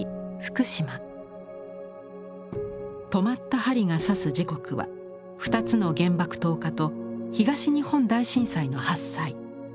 止まった針がさす時刻は２つの原爆投下と東日本大震災の発災。